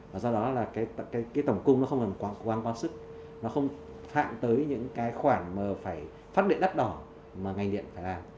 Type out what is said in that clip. và do đó là cái tổng cung nó không còn quan sức nó không hạn tới những cái khoản mà phải phát điện đắt đỏ mà ngành điện phải làm